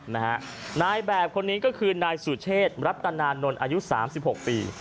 นายแบบคนนี้ก็คือนายสุเชษรัตนานนท์อายุสามสิบหกปี